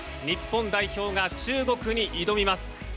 日本代表が中国に挑みます。